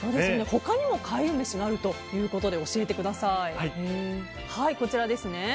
他にも開運メシがあるということで教えてください。